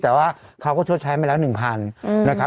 แต่ว่าเขาก็ชดใช้มาแล้ว๑๐๐นะครับ